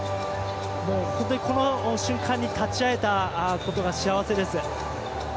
もう本当に、この瞬間に立ち会えたことが幸せです。